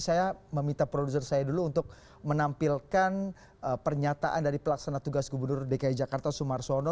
saya meminta produser saya dulu untuk menampilkan pernyataan dari pelaksana tugas gubernur dki jakarta sumarsono